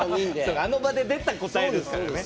あの場で出た答えですからね。